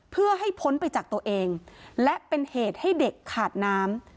เพื่อให้พ้นไปจากตัวเองและเป็นเหตุให้เด็กขาดน้ำ